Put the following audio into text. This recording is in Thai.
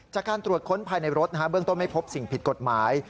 จากการตรวจค้นภายในรถเบื้องต้นไม่พบสิ่งผิดกฎหมาย